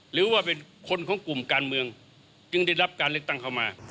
หรือว่าเป็นคนของกลุ่มการเมืองจึงได้รับการเลือกตั้งเข้ามา